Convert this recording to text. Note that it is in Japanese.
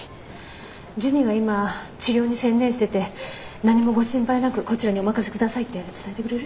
ジュニは今治療に専念してて何もご心配なくこちらにお任せ下さいって伝えてくれる？